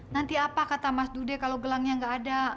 nanti apa kata mas dude kalau gelangnya nggak ada